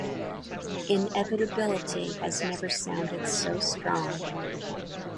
Inevitability has never sounded so strong.